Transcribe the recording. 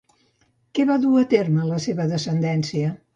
Què va dur a terme la seva descendència?